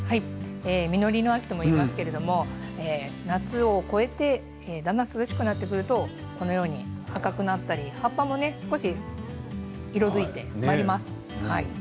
実りの秋とも言いますが夏を超えて、だんだんと涼しくなってくると赤くなったり葉っぱも少し色づいて変わります。